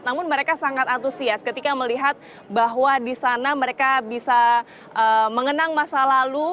namun mereka sangat antusias ketika melihat bahwa di sana mereka bisa mengenang masa lalu